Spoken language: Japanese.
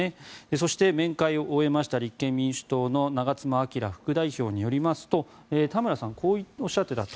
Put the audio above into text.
そして、面会を終えました立憲民主党長妻昭副代表によりますと田村さんはこうおっしゃっていたと。